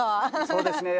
そうですね。